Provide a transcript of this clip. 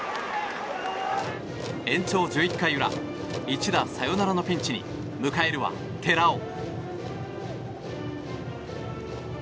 延長１１回裏一打サヨナラのピンチに迎えるは寺尾。